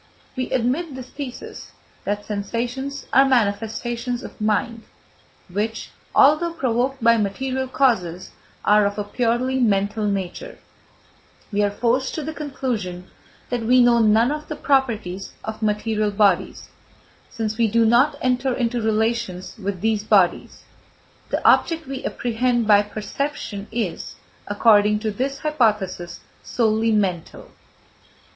If we admit this thesis, that sensations are manifestations of mind which, although provoked by material causes, are of a purely mental nature, we are forced to the conclusion that we know none of the properties of material bodies, since we do not enter into relations with these bodies. The object we apprehend by perception is, according to this hypothesis, solely mental.